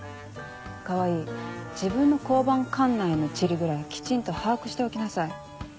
川合自分の交番管内の地理ぐらいきちんと把握しておきなさい。